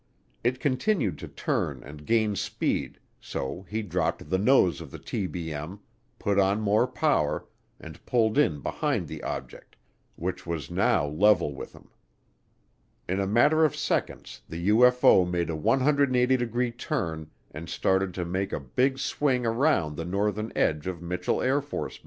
It continued to turn and gain speed, so he dropped the nose of the TBM, put on more power, and pulled in behind the object, which was now level with him. In a matter of seconds the UFO made a 180 degree turn and started to make a big swing around the northern edge of Mitchel AFB.